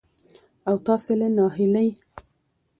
او تاسې له ناهيلۍ